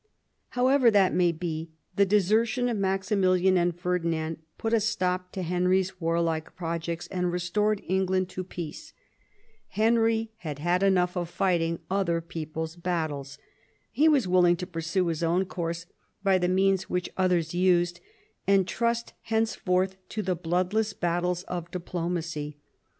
However that may be, the desertion of Maximilian and Ferdinand put a stop to Henry's warlike projects, and restored England to peace. Henry had had enough II THE FRENCH ALLIANCE 29 of fighting other people's battles. He was willing to pursue his own course by the means which others used, and trust henceforth to the bloodless battles of diplomacy.